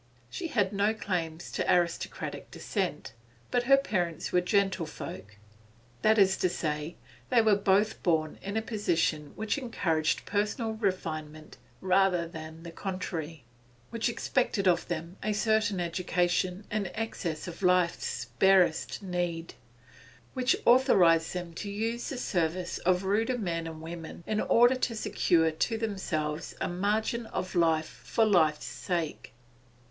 She had no claims to aristocratic descent, but her parents were gentlefolk; that is to say, they were both born in a position which encouraged personal refinement rather than the contrary, which expected of them a certain education in excess of life's barest need, which authorised them to use the service of ruder men and women in order to secure to themselves a margin of life for life's sake.